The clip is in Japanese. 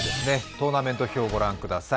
トーナメント表をご覧ください。